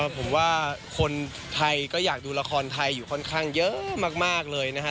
ผมว่าคนไทยก็อยากดูละครไทยอยู่ค่อนข้างเยอะมากเลยนะฮะ